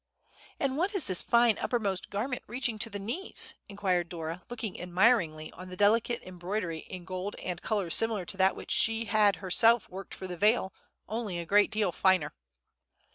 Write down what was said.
"And what is this fine uppermost garment, reaching to the knees?" inquired Dora, looking admiringly on the delicate embroidery in gold and colors similar to that which she had herself worked for the Veil, only a great deal finer.